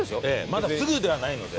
まだすぐではないので。